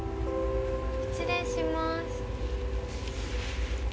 失礼します。